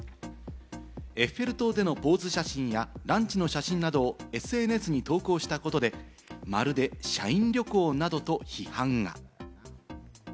エッフェル塔でのポーズ写真やランチの写真などをＳＮＳに投稿したことで、まるで社員旅行などと批判が。